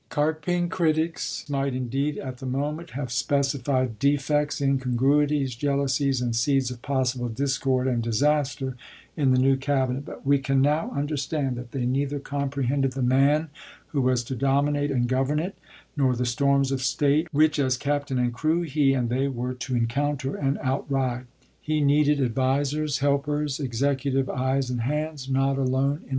Carping critics might indeed at the moment have specified defects, incongruities, jealousies, and seeds of possible discord and disaster in the new Cabinet, but we can now understand that they neither comprehended the man who was to dominate and govern it, nor the storms of state which, as captain and crew, he and they were' to encounter and outride. He needed advisers, LINCOLN'S CABINET 373 helpers, executive eyes and hands, not alone in ch.